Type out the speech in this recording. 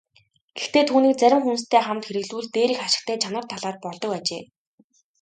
Гэхдээ түүнийг зарим хүнстэй хамт хэрэглэвэл дээрх ашигтай чанар талаар болдог ажээ.